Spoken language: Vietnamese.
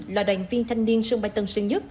là đoàn viên thanh niên sân bay tân sơn nhất